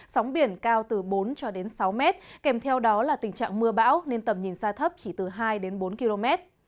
sóng biển cao từ bốn cho đến sáu mét kèm theo đó là tình trạng mưa bão nên tầm nhìn xa thấp chỉ từ hai đến bốn km